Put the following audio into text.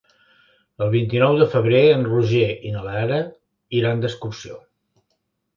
El vint-i-nou de febrer en Roger i na Lara iran d'excursió.